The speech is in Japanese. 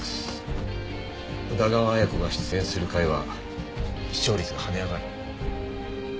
宇田川綾子が出演する回は視聴率が跳ね上がる。